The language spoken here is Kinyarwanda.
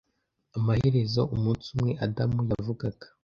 amaherezo umunsi umwe adamu yavugaga